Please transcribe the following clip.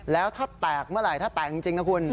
แล้วถ้าแตกเมื่อไหร่ถ้าแตกจริงนะคุณ